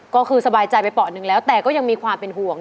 ก็คือสบายใจไปเปาะหนึ่งแล้วแต่ก็ยังมีความเป็นห่วง